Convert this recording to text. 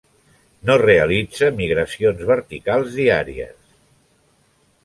No realitza migracions verticals diàries.